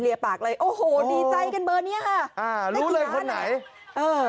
ปากเลยโอ้โหดีใจกันเบอร์เนี้ยค่ะอ่ารู้เลยคนไหนเออ